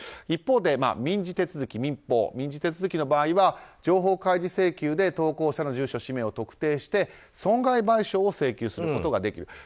一方で民法、民事手続きの場合は情報開示請求で投稿者の住所・氏名を特定して損害賠償を請求することができる。